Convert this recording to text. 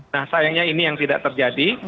nah sayangnya ini yang tidak terjadi